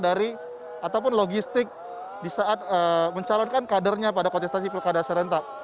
ataupun logistik disaat mencalonkan kadernya pada kontestasi pilkada serentak